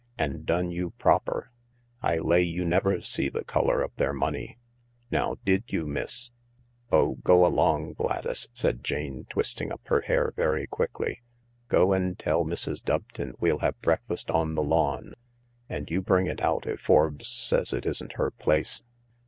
And done you proper 1 I lay you never see the colour of their money, now did you, miss ?"" Oh, go along, Gladys," said Jane, twisting up her hair very quickly. " Go and tell Mrs. Doveton we'll have break fast on the lawn, and you bring it out if Forbes says it isn't her place."